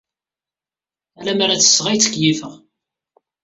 Ala mi ara ttesseɣ ay ttkeyyifeɣ.